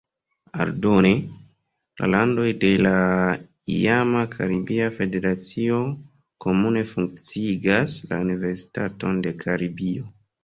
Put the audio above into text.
Aldone, la landoj de la iama Karibia Federacio komune funkciigas la Universitaton de Karibio.